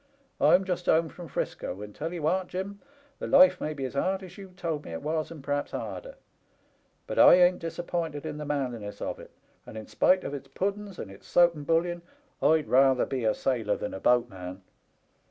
I'm just home from 'Frisco, and tell *ee what, Jim, the life may be as hard as you told me it was, and p'r'aps harder ; but I ain't disappointed in the manliness of it, and, spite of its puddens, and its soap and bullion, I'd rather be a sailor than a boatman.